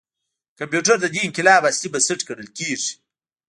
کمپیوټر د دې انقلاب اصلي بنسټ ګڼل کېږي.